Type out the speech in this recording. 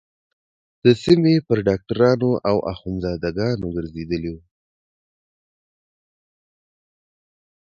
د سيمې پر ډاکترانو او اخوندزاده گانو گرځېدلې وه.